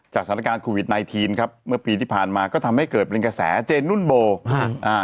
สถานการณ์โควิดไนทีนครับเมื่อปีที่ผ่านมาก็ทำให้เกิดเป็นกระแสเจนนุ่นโบฮะอ่า